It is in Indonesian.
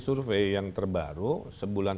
survei yang terbaru sebulan